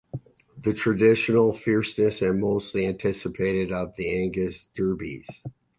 This is traditionally the fiercest and most anticipated of the Angus derbies.